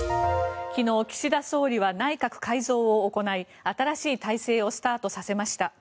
昨日、岸田総理は内閣改造を行い新しい体制をスタートさせました。